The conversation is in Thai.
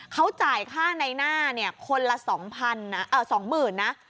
เขาจ่ายค่าในหน้าเนี่ยคนละ๒หมื่นนะ